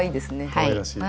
かわいらしい。